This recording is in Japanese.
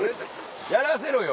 やらせろよ